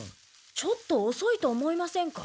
ちょっとおそいと思いませんか？